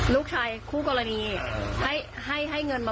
ลูกชายคู่กรณีให้เงินมา๑๔๐๐๐